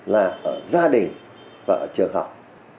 là ở gia đình và ở trường học